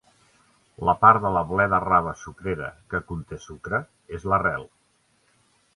La part de la bleda-rave sucrera que conté sucre és l'arrel.